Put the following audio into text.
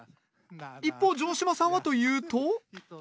一方城島さんはというと。